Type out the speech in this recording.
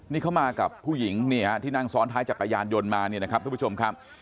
นี่เขามากับผู้หญิงนี่ฮะที่นั่งซ้อนท้ายจักรยานยนต์มาเนี่ยนะครับทุกผู้ชมครับ